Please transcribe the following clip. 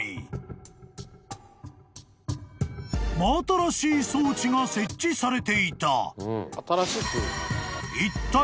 ［真新しい装置が設置されていた］